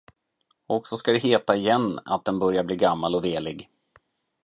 Och så ska det heta igen att en börjar bli gammal och velig.